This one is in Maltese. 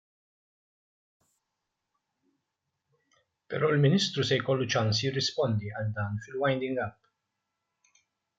Però l-Ministru se jkollu ċans jirrispondi għal dan fil-winding up.